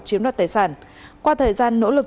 chiếm đoạt tài sản qua thời gian nỗ lực